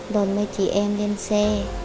đón mấy chị em lên xe